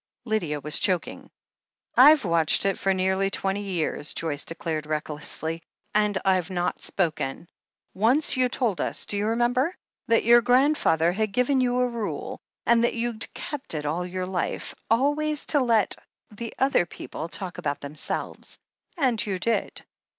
Lydia was chok ing. "I've watched it for nearly twenty years," Joyce declared recklessly, "and I've not spoken. Once you THE HEEL OF ACHILLES 415 told us— do you remember? — ^that your grandfather had given you a rule, and that you'd kept it all your life — ^always to let the other people talk about them selves. And you did.